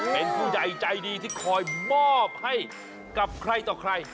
เป็นผู้ใหญ่ใจดีที่คอยมอบให้กับใครต่อใคร